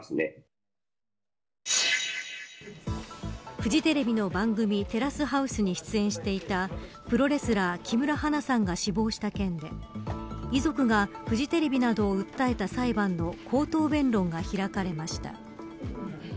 フジテレビの番組テラスハウスに出演していたプロレスラー木村花さんが死亡した件で遺族がフジテレビなどを訴えた裁判の口頭弁論が開かれました。